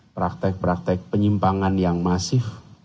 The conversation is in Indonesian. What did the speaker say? praktek praktek penyimpangan yang masif